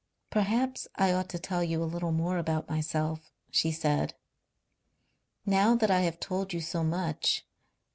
"Perhaps I ought to tell you a little more about myself," she said; "now that I have told you so much.